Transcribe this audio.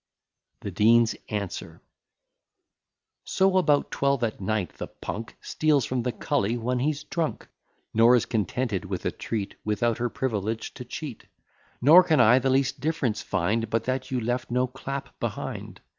THE DEAN'S ANSWER So, about twelve at night, the punk Steals from the cully when he's drunk: Nor is contented with a treat, Without her privilege to cheat: Nor can I the least difference find, But that you left no clap behind.